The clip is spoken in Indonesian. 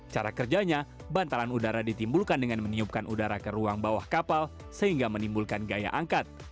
cara kerjanya bantalan udara ditimbulkan dengan meniupkan udara ke ruang bawah kapal sehingga menimbulkan gaya angkat